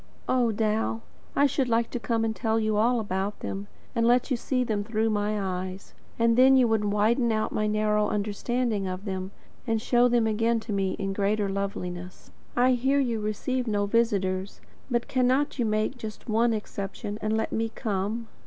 Oh, Dal! I should like to come and tell you all about them, and let you see them through my eyes; and then you would widen out my narrow understanding of them, and show them again to me in greater loveliness. I hear you receive no visitors; but cannot you make just one exception, and let me come?